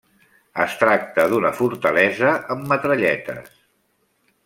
Es tracta d'una fortalesa amb Metralletes.